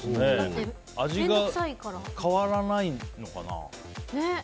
味が変わらないのかな？